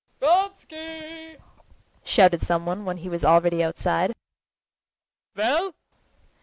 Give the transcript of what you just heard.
"Vronsky!" shouted someone when he was already outside. "Well?"